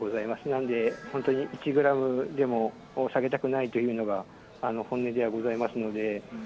なので、本当に１グラムでも下げたくないというのが、本音ではございますので。